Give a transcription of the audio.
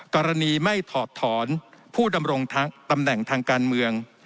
กรณีไม่ถอดถอนผู้ดำรงตำแหน่งทางการเมือง